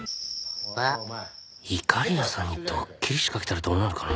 いかりやさんにドッキリ仕掛けたらどうなるかな？